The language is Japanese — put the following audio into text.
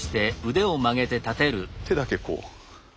手だけこう。